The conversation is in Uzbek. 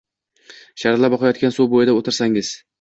Sharillab oqayotgan suv bo‘yida o‘tirsangiz